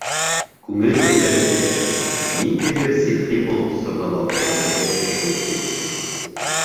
Күңел күтәренке: ниндәйҙер сихри моң сорнап алды үҙемде шул кис.